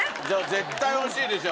絶対美味しいでしょ。